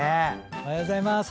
おはようございます。